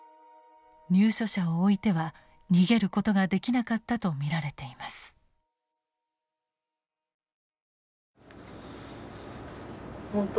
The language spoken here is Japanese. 入所者を置いては逃げることができなかったと見られています。